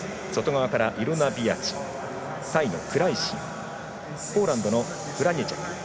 イロナ・ビアチタイのクライシンポーランドのフラニェチェク。